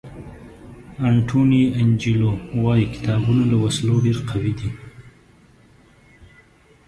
انټوني انجیلو وایي کتابونه له وسلو ډېر قوي دي.